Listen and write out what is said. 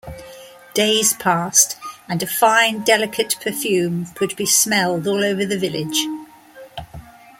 Days passed and a fine delicate perfume could be smelled all over the village.